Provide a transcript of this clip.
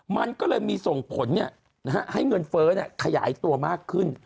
มันก็เลยมีส่งผลให้เงินเฟ้อขยายตัวมากขึ้น